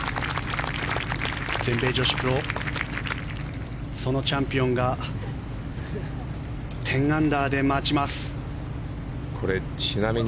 全米女子プロそのチャンピオンが１０アンダーで待ちます。